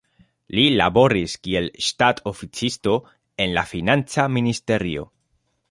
Li laboris kiel ŝtatoficisto en la financa ministerio.